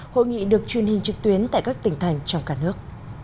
hội nghị được truyền hình trực tuyến tại các tỉnh thành trong cả nước